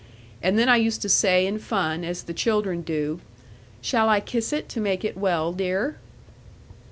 And then I used to say in fun, as the children do, 'Shall I kiss it, to make it well, dear?'